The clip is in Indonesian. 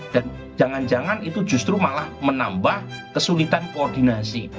dan jangan jangan itu justru malah menambah kesulitan koordinasi